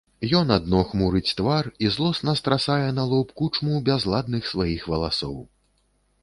Ён адно хмурыць твар і злосна страсае на лоб кучму бязладных сваіх валасоў.